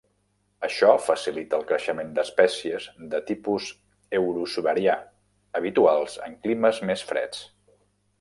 Això facilita el creixement d'espècies de tipus eurosiberià, habituals en climes més freds.